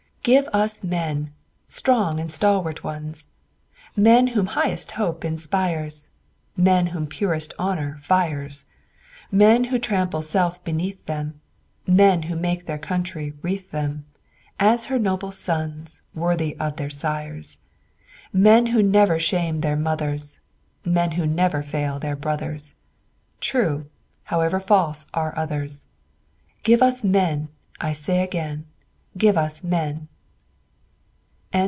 "Give us men! Strong and stalwart ones; Men whom highest hope inspires, Men whom purest honor fires, Men who trample self beneath them Men who make their country wreath them As her noble sons, Worthy of their sires. Men who never shame their mothers, Men who never fail their brothers, True, however false are others; Give us men, I say again, Give us men!"